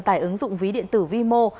tải ứng dụng ví điện tử vimo